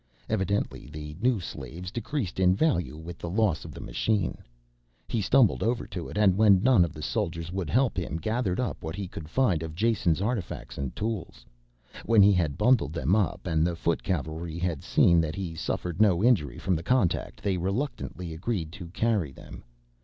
Evidently the new slaves decreased in value with the loss of the machine. He stumbled over to it and, when none of the soldiers would help him, gathered up what he could find of Jason's artifacts and tools. When he had bundled them up, and the foot cavalry had seen that he suffered no injury from the contact, they reluctantly agreed to carry them.